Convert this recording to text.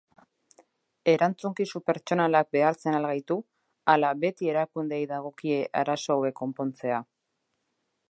Erantzukizun pertsonalak behartzen al gaitu ala beti erakundeei dagokie arazo hauek konpontzea?